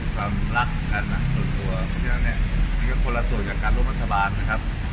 ความรักกันนะส่วนตัวทีนี้ก็คนละส่วนกับการร่วมรัฐบาลนะครับ